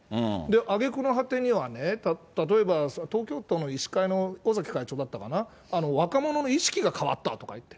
挙句の果てには、例えば、東京都の医師会の尾崎会長だったかな、若者の意識が変わったとか言って。